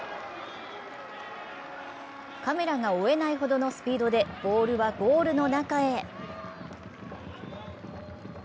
カメラが終えないほどのスピードでボールはゴールの中へ。